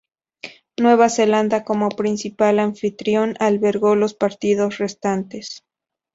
Nueva Zelanda como principal anfitrión albergó los partidos restantes.